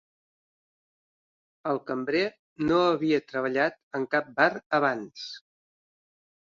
El cambrer no havia treballat en cap bar abans